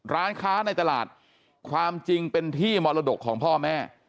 ร้านค้าในตลาดความจริงเป็นที่มรดกของพ่อแม่